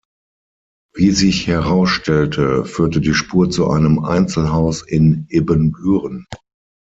Wie sich herausstellte, führte die Spur zu einem Einzelhaus in Ibbenbüren.